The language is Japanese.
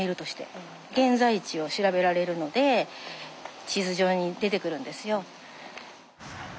現在地を調べられるので地図上に出てくるんですよ。